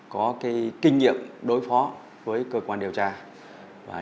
có kinh nghiệm đối phó với cơ quan điều tra